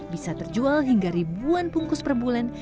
bisa terjual hingga ribuan bungkus per bulan